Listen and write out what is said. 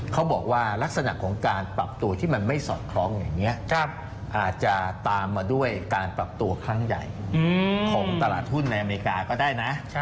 เขาบอกว่าลักษณะของการปรับตัวที่มันไม่สอดคล้องอย่างนี้อาจจะตามมาด้วยการปรับตัวครั้งใหญ่ของตลาดหุ้นในอเมริกาก็ได้นะ